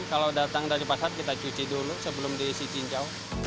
kalau datang dari pasar kita cuci dulu sebelum diisi cincau